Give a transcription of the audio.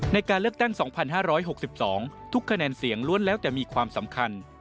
ในการเลือกตั้ง๒๕๖๒ทุกคะแนนเสียงล้วนแล้วแต่มีความสำคัญ